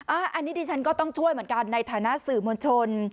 อันนี้ดิฉันก็ต้องช่วยเหมือนกันในฐานะสื่อมวลชน